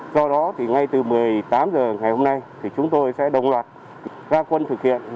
do đó thì ngay từ một mươi tám h ngày hôm nay thì chúng tôi sẽ đồng loạt ra quân thực hiện